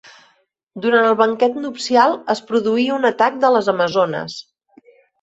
Durant el banquet nupcial es produí un atac de les amazones.